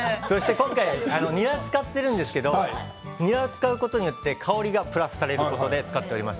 今回、にらを使っているんですけどにらを使うことによって香りがプラスされるので使っております。